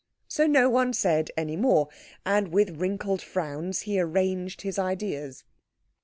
So no one said any more, and with wrinkled frowns he arranged his ideas.